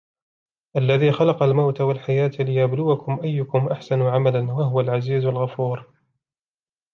الَّذِي خَلَقَ الْمَوْتَ وَالْحَيَاةَ لِيَبْلُوَكُمْ أَيُّكُمْ أَحْسَنُ عَمَلًا وَهُوَ الْعَزِيزُ الْغَفُورُ